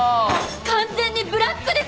完全にブラックです！